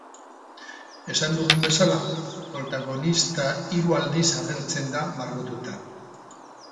Esan dugun bezala, protagonista hiru aldiz agertzen da margotuta.